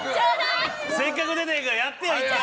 せっかく出たんやからやってよ一回。